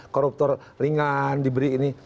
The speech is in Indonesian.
koruptor ringan diberi ini